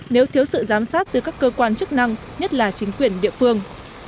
nếu thiếu sự giám sát từ các cơ quan chức năng nhất là chính quyền địa phương